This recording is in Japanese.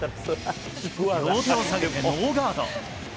両手を下げてノーガード。